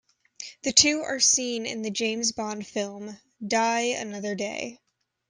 Two are seen in the James Bond film, "Die Another Day".